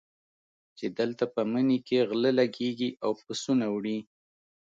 چې دلته په مني کې غله لګېږي او پسونه وړي.